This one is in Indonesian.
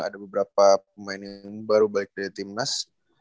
ada beberapa pemain yang baru balik dari tim nas